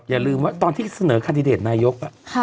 อย่าลืมตอนที่เสนอคาตี่เดทนายก